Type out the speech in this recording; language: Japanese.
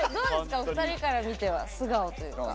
お二人から見て素顔というか？